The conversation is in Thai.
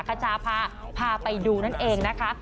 ขชาพาพาไปดูนั่นเองนะคะ